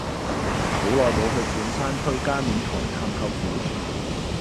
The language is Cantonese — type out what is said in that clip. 好耐無去半山區加冕台探舅父